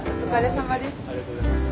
ありがとうございます。